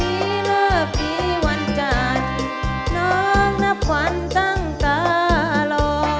ตีนี้เริ่มกี่วันจากน้องนับหวันตั้งตะรอ